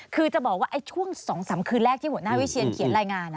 คือจะบอกว่าช่วง๒๓คืนแรกที่หัวหน้าวิเชียนเขียนรายงาน